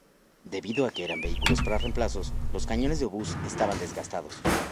Debido a que eran vehículos para reemplazos, los cañones de obús estaban desgastados.